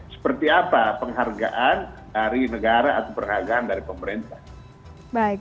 seperti apa penghargaan dari negara atau penghargaan dari pemerintah